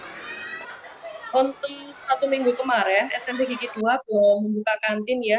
untuk satu minggu kemarin smp gigi dua belum membuka kantin ya